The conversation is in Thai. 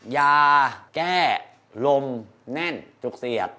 ยาแก้ลมแน่นจุกเสียด